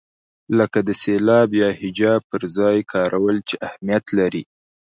لکه د سېلاب یا هجا پر ځای کارول چې اهمیت لري.